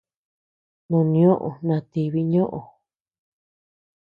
Noʼo nioʼö natibi ñoʼö.